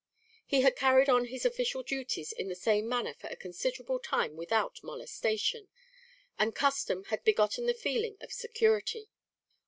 He had carried on his official duties in the same manner for a considerable time without molestation, and custom had begotten the feeling of security.